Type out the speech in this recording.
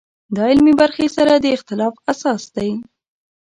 دا د علمي برخې سره د اختلاف اساس دی.